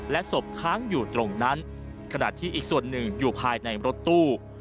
ศพค้างอยู่ตรงนั้นขณะที่อีกส่วนหนึ่งอยู่ภายในรถตู้